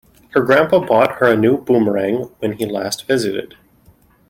Her grandpa bought her a new boomerang when he last visited.